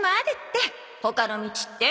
「他の道って？」